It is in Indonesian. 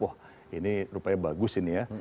wah ini rupanya bagus ini ya